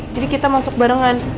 jadi kita masuk barengan